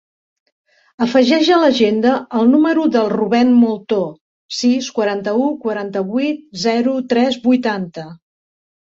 Afegeix a l'agenda el número del Rubèn Molto: sis, quaranta-u, quaranta-vuit, zero, tres, vuitanta.